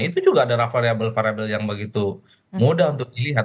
itu juga adalah variable variable yang begitu mudah untuk dilihat